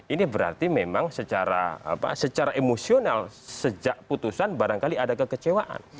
ini berarti memang secara emosional sejak putusan barangkali ada kekecewaan